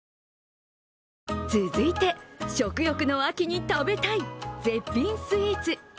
続いて食欲の秋に食べたい絶品スイーツ。